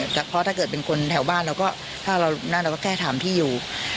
แต่เพราะถ้าเกิดเป็นคนแถวบ้านเราก็แค่ถามที่อยู่